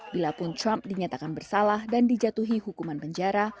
bilapun trump dinyatakan bersalah dan dijatuhi hukuman penjara